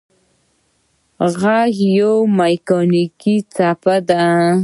غږ یوه مکانیکي څپه ده.